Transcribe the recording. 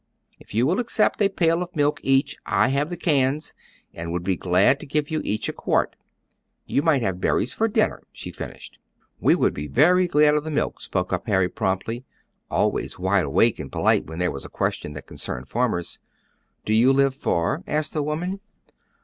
If you will accept a pail of milk each, I have the cans, and would be glad to give you each a quart. You might have berries for dinner," she finished. "We would be very glad of the milk," spoke up Harry, promptly, always wide awake and polite when there was a question that concerned farmers. "Do you live far?" asked the woman.